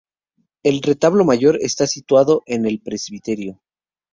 El retablo mayor está situado en el presbiterio.